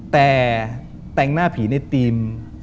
แต่แต่งหน้าผีในทีม